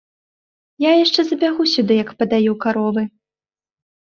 Я яшчэ забягу сюды, як падаю каровы.